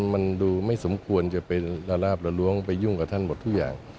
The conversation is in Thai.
มันดูไม่สมควรจะไปละลาบละล้วงไปยุ่งกับท่านหมดทุกอย่าง